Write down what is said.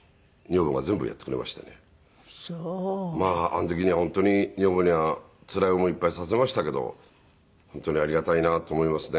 あの時には本当に女房にはつらい思いいっぱいさせましたけど本当にありがたいなと思いますね。